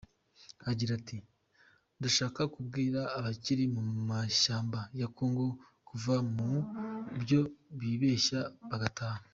Agira ati "Ndashaka kubwira abakiri mu mashyamba ya kongo kuva mu byo bibeshya bagataha.